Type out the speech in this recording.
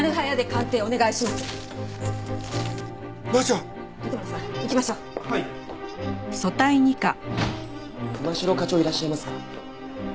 神代課長いらっしゃいますか？